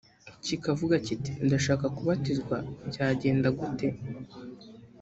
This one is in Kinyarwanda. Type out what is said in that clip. kikavuga kiti ‘Ndashaka kubatizwa’byagenda gute